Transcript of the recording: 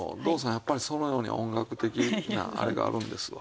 やっぱりそのように音楽的なあれがあるんですわ。